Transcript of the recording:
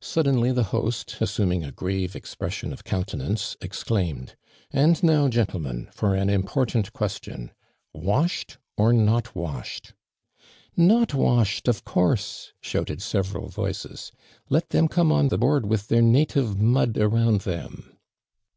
Suddenly the host, assuming a grave ex pression of countenance, exclaimed :" And now, gentlemen, for an important question. Washed or not washed ?"" Not washed, of course !" shouted several voices. Let them come on the board with their native mud around them."